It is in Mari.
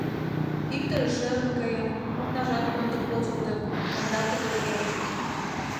Иктыже шӧрын каен, окнажат комдык почылтын, янда пудырген.